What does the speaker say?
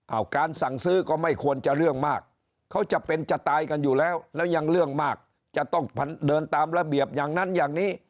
เอาการสั่งซื้อก็ไม่ควรจะเรื่องมากเขาจะเป็นจะตายกันอยู่แล้วแล้วยังเรื่องมากจะต้องเดินตามระเบียบอย่างนั้นอย่างนี้